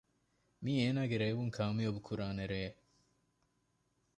މިއީ އޭނާގެ ރޭވުން ކާމިޔާބު ކުރާނެ ރޭ